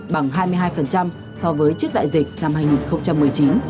bằng hai mươi hai so với trước đại dịch năm hai nghìn một mươi chín